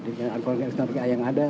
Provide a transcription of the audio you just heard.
di narkoba indonesia yang ada